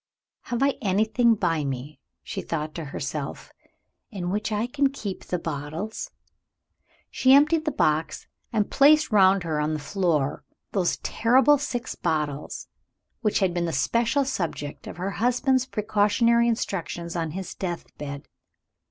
"Have I anything by me," she thought to herself, "in which I can keep the bottles?" She emptied the box, and placed round her on the floor those terrible six bottles which had been the special subjects of her husband's precautionary instructions on his death bed.